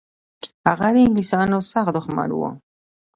هغه د انګلیسانو سخت دښمن و.